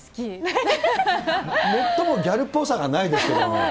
最もギャルっぽさがないです